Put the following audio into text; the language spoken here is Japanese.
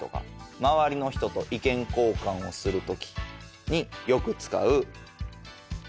周りの人と意見交換をするときによく使う３文字の言葉。